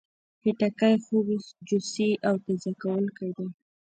خټکی خوږ، جوسي او تازه کوونکی دی.